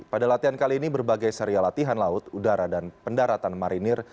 pada latihan kali ini berbagai serial latihan laut udara dan pendaratan marinir